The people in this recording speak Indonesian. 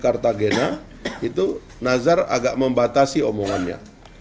dari kcb ke kartagena itu nazar agak membatasi omongannya